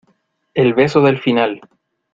el beso del final.